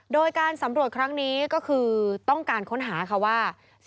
โดยการสำรวจครั้งนี้ก็คือต้องการค้นหาค่ะว่า